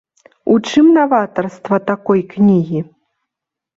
У чым наватарства такой кнігі?